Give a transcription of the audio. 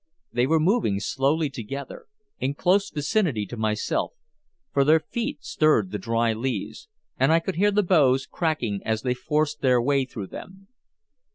They were moving slowly together, in close vicinity to myself, for their feet stirred the dry leaves, and I could hear the boughs cracking as they forced their way through them.